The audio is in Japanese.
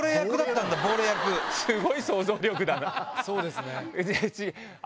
すごい想像力だな。